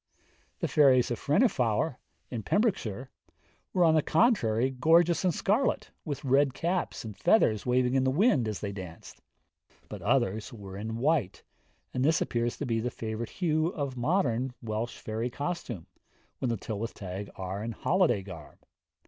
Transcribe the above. The fairies of Frennifawr, in Pembrokeshire, were on the contrary gorgeous in scarlet, with red caps, and feathers waving in the wind as they danced. But others were in white, and this appears to be the favourite hue of modern Welsh fairy costume, when the Tylwyth Teg are in holiday garb.